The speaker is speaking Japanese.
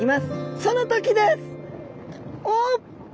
その時です！おっ。